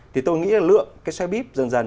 thì tôi nghĩ là lượng cái xe buýt dần dần